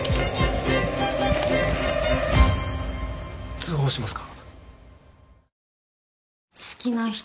通報しますか？